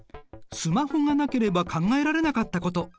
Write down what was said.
スマホがなければ考えられなかったこと。